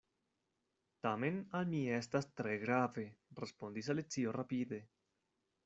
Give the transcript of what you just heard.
"Tamen al mi estas tre grave," respondis Alicio rapide.